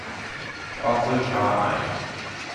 Schwarze Schar ein.